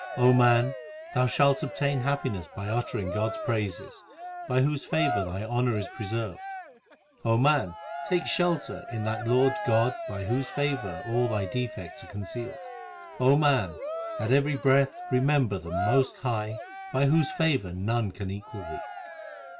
O man, thou shalt obtain happiness by uttering God s praises, By whose favour thy honour is preserved. O man, take shelter in that Lord God By whose favour all thy defects are concealed. O man, at every breath remember the Most High By whose favour none can equal thee.